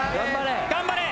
頑張れ。